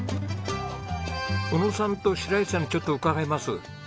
小野さんと白石さんにちょっと伺います。